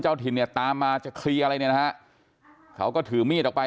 ถิ่นเนี่ยตามมาจะเคลียร์อะไรเนี่ยนะฮะเขาก็ถือมีดออกไป